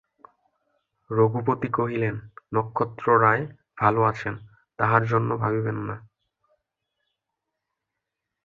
রঘুপতি কহিলেন, নক্ষত্ররায় ভালো আছেন, তাঁহার জন্য ভাবিবেন না।